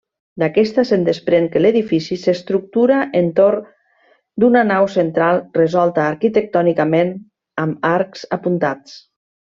D'aquesta se'n desprèn que l'edifici s'estructura entorn d'una nau central resolta arquitectònicament amb arcs apuntats.